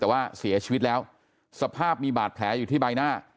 แต่ว่าเสียชีวิตแล้วสภาพมีบาดแผลอยู่ที่ใบหน้า